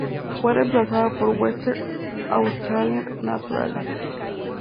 Fue reemplazada por "Western Australian Naturalist.